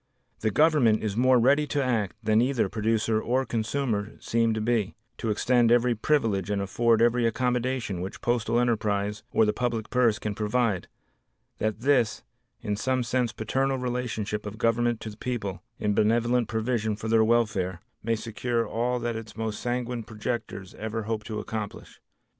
The Government is more ready to act than either producer or consumer seem to be; to extend every privilege and afford every accommodation which postal enterprise or the public purse can provide, that this, in some sense paternal relation of government to people in benevolent provision for their welfare, may secure all that its most sanguine projectors ever hoped to accomplish.